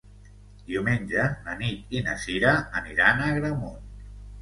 Diumenge na Nit i na Cira aniran a Agramunt.